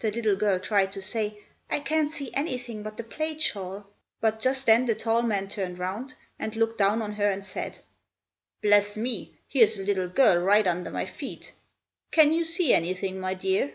The little girl tried to say, "I can't see anything but the plaid shawl!" but just then the tall man turned round, and looked down on her and said, "Bless me! here's a little girl right under my feet. Can you see anything, my dear?"